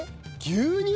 牛乳。